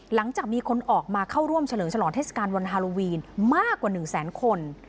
หลังจากมีคนออกมาเข้าร่วมเฉลิมฉลองเทศกาลวันฮาโลวีนมากกว่า๑แสนคน